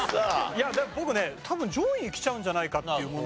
いや僕ね多分上位に来ちゃうんじゃないかっていうものを。